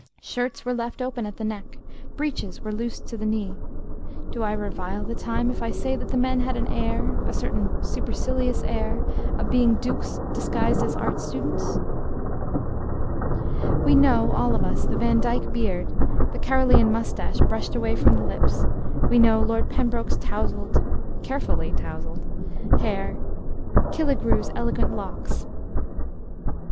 Shirts were left open at the neck, breeches were loosed at the knee. Do I revile the time if I say that the men had an air, a certain supercilious air, of being dukes disguised as art students? [Illustration: {Six styles of hair and beard}] We know, all of us, the Vandyck beard, the Carolean moustache brushed away from the lips; we know Lord Pembroke's tousled carefully tousled hair; Kiligrew's elegant locks.